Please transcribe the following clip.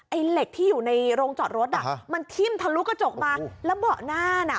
ไอ้เหล็กที่อยู่ในโรงจอดรถอ่ะมันทิ่มทะลุกระจกมาแล้วเบาะหน้าน่ะ